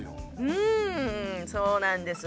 うんそうなんです。